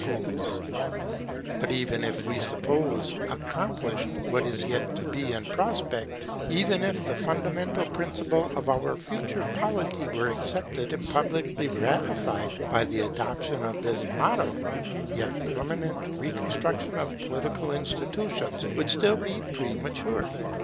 [Provisional policy for the period of transition] But even if we suppose accomplished what is yet only in prospect, even if the fundamental principle of our future polity were accepted and publicly ratified by the adoption of this motto, yet permanent reconstruction of political institutions would still be premature.